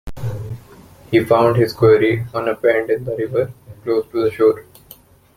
He found his quarry on a bend in the river, close to the shore.